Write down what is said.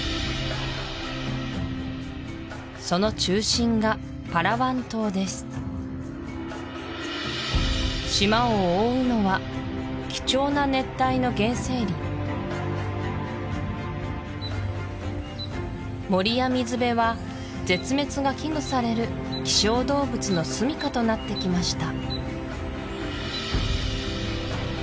その中心がパラワン島です島を覆うのは貴重な熱帯の原生林森や水辺は絶滅が危惧される希少動物のすみかとなってきました